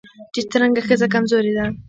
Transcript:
چې څرنګه ښځه کمزورې ده